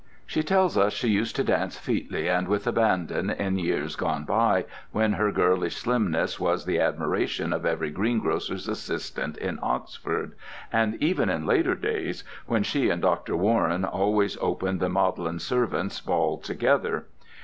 She tells us she used to dance featly and with abandon in days gone by, when her girlish slimness was the admiration of every greengrocer's assistant in Oxford—and even in later days when she and Dr. Warren always opened the Magdalen servants' ball together.